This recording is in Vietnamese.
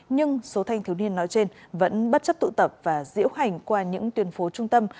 nhưng số thanh thiếu niên nói trên vẫn bất chấp tụ tập và diễu hành qua những tuyên phố trung tâm